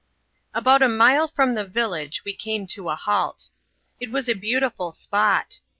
About a mile from the village we come to a halt. It was a beautiful spot.